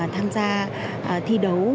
tham gia thi đấu